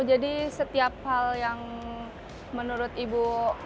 jadi setiap hal yang menurut ibu